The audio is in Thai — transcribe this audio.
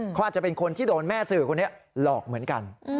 เขาอาจจะเป็นคนที่โดนแม่สื่อคนนี้หลอกเหมือนกัน